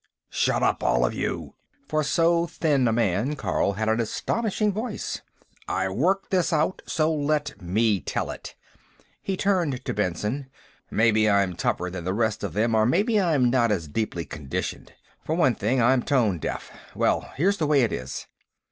"Shut up, all of you!" For so thin a man, Carl had an astonishing voice. "I worked this out, so let me tell it." He turned to Benson. "Maybe I'm tougher than the rest of them, or maybe I'm not as deeply conditioned. For one thing, I'm tone deaf. Well, here's the way it is.